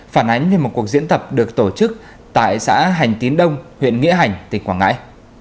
phản ánh như một cuộc diễn tập được tổ chức tại xã hành tín đông huyện nghĩa hành tỉnh quảng ngãi